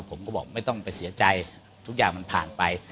ผมก็บอกไม่ต้องไปเสียใจทุกอย่างมันผ่านไป